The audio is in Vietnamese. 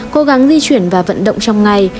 cố gắng di chuyển và vận động trong ngày